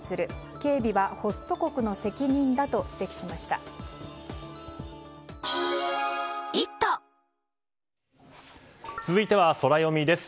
警備はホスト国の責任だと続いてはソラよみです。